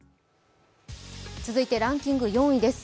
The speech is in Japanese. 続いてランキング４位です。